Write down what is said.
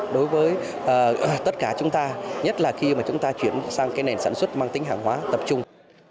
đối với tất cả chúng ta nhất là khi mà chúng ta chuyển sang cái nền sản xuất mang tính hàng hóa tập trung